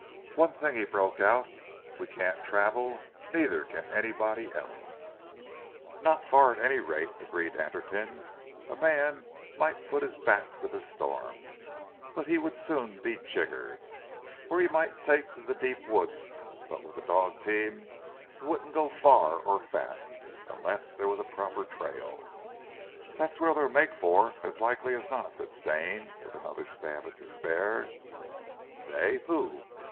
"One thing," he broke out, "if we can't travel, neither can anybody else." "Not far at any rate," agreed Anderton. "A man might put his back to the storm, but he would soon be jiggered; or he might take to the deep woods; but with a dog team he wouldn't go far or fast, unless there was a proper trail." "That's where they'll make for, as like as not," said Stane with another stab of despair. "They who?